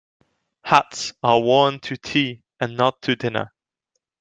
Hats are worn to tea and not to dinner.